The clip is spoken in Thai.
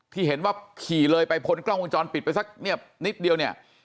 ที่เห็นว่าขี่เลยไปพ้นกล้องกลางจรปิดไปสักนิดเดียว